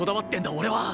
俺は